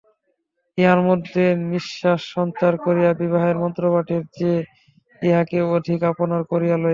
ইহার মধ্যে নিশ্বাস সঞ্চার করিয়া বিবাহের মন্ত্রপাঠের চেয়ে ইহাকে অধিক আপনার করিয়া লইয়াছি।